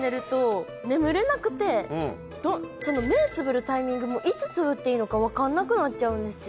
目つぶるタイミングもいつつぶっていいのか分かんなくなっちゃうんですよ。